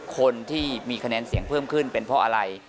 คนที่มีคะแนนเสียงเพิ่มขึ้นเป็นเพราะอะไร